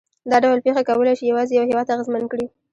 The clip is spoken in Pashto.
دا ډول پېښې کولای شي یوازې یو هېواد اغېزمن کړي.